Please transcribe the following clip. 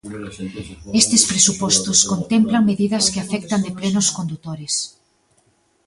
Estes Presupostos contemplan medidas que afectan de pleno os condutores.